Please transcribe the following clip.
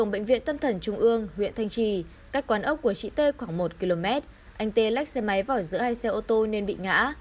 bỏ xe máy vào giữa hai xe ô tô nên bị ngã